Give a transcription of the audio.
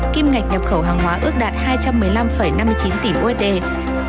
kim ngạch nhập khẩu hàng hóa ước đạt hai trăm một mươi năm năm mươi chín tỷ usd